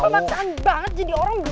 lo tuh pembaksaan banget jadi orang gue rizky